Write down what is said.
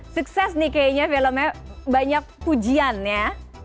sukses nih kayaknya filmnya banyak pujian ya